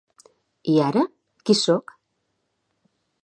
I ara, qui sóc?